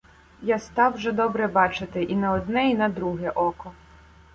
Я став вже добре бачити і на одне, і на друге око.